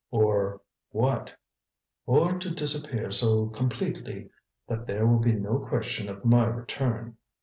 "Or what?' "Or to disappear so completely that there will be no question of my return.